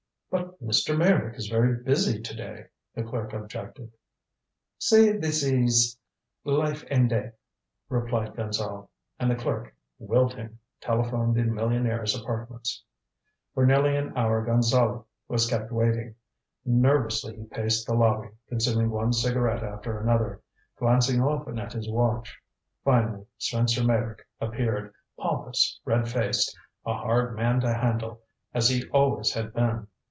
"But Mr. Meyrick is very busy to day," the clerk objected. "Say this is life and death," replied Gonzale, and the clerk, wilting, telephoned the millionaire's apartments. For nearly an hour Gonzale was kept waiting. Nervously he paced the lobby, consuming one cigarette after another, glancing often at his watch. Finally Spencer Meyrick appeared, pompous, red faced, a hard man to handle, as he always had been.